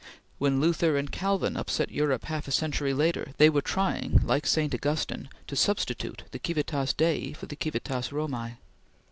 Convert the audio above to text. When Luther and Calvin upset Europe half a century later, they were trying, like St. Augustine, to substitute the Civitas Dei for the Civitas Romae.